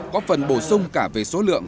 có phần bổ sung cả về số lượng